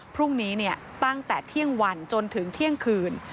พรุ่งนี้ตั้งแต่เที่ยงวันจนถึงเที่ยงคืน